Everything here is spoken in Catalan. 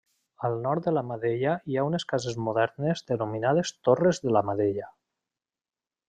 Al nord de la Madella hi ha unes cases modernes denominades Torres de la Madella.